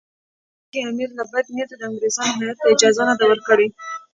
ګواکې امیر له بده نیته د انګریزانو هیات ته اجازه نه ده ورکړې.